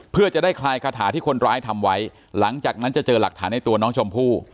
เพื่อจะได้คลายคาถาที่คนร้ายทำไว้หลังจากนั้นจะเจอหลักฐานในตัวน้องชมพู่